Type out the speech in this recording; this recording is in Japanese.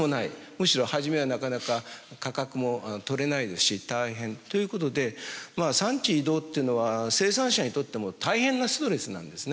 むしろ初めはなかなか価格も取れないですし大変ということで産地移動というのは生産者にとっても大変なストレスなんですね。